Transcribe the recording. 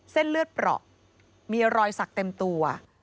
เส้นเลือดเปราะมีรอยสักเต็มตัว